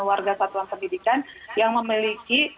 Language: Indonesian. warga satuan pendidikan yang memiliki